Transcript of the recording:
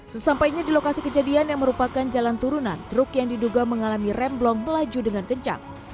sesampainya di lokasi kejadian yang merupakan jalan turunan truk yang diduga mengalami remblong melaju dengan kencang